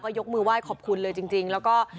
ยกมือไหว้ขอบคุณเลยจริงแล้วก็